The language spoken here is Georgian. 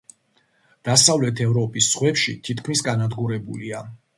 დასავლეთი ევროპის ზღვებში თითქმის განადგურებულია.